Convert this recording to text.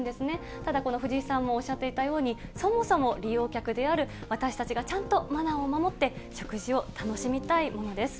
ただ、この藤井さんもおっしゃっていたように、そもそも利用客である私たちがちゃんとマナーを守って、食事を楽しみたいものです。